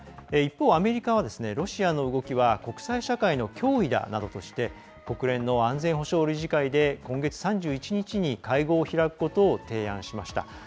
一方アメリカは、ロシアの動きは国際社会の脅威だなどとして国連の安全保障理事会で今月３１日に会合を開くことを提案しました。